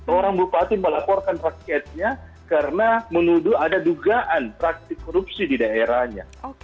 orang bupati melaporkan rakyatnya karena menuduh ada dugaan praktik korupsi di daerahnya